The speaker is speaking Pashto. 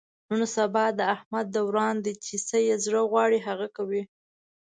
نن سبا د احمد دوران دی، چې څه یې زړه و غواړي هغه کوي.